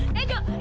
itu itu cukup